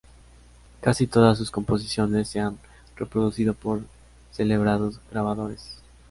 Casi todas sus composiciones se han reproducido por celebrados grabadores.